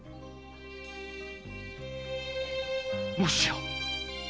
もしや！？